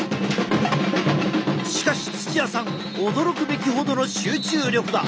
しかし土屋さん驚くべきほどの集中力だ。